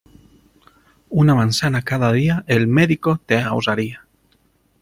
Una manzana cada día, el médico te ahorraría.